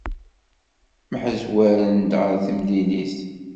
Mḥezwaren-d ɣer temlilit.